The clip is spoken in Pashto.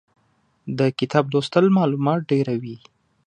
د کتاب لوستل مالومات ډېروي.